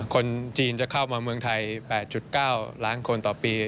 คนจีนจะเข้ามาเมืองไทย๘๙ล้านคนต่อปี